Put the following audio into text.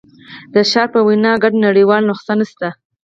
د شارپ په وینا ګډه نړیواله نسخه نشته.